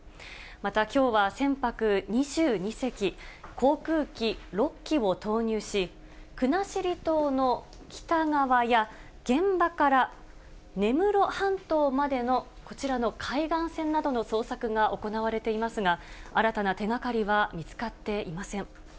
また、きょうは船舶２２隻、航空機６機を投入し、国後島の北側や、現場から根室半島までのこちらの海岸線などの捜索が行われていますが、新たな手がかりは見つかっていません。